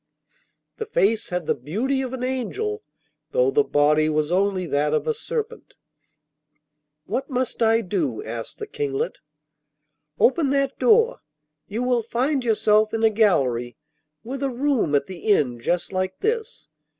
The face had the beauty of an angel, though the body was only that of a serpent. 'What must I do?' asked the Kinglet. 'Open that door. You will find yourself in a gallery with a room at the end just like this.